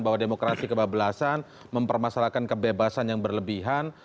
bahwa demokrasi kebablasan mempermasalahkan kebebasan yang berlebihan